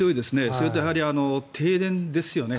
それと、やはり停電ですよね。